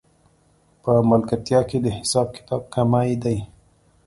په ملګرتیا کې د حساب کتاب کمی دی